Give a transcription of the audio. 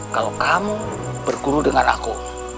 kalau kamu berguru dengan aku